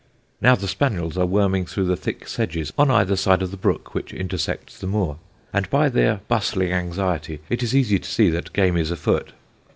"Now the spaniels are worming through the thick sedges on either side of the brook which intersects the moor, and by their bustling anxiety it is easy to see that game is afoot.